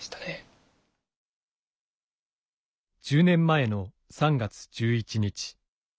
１０年前の３月１１日。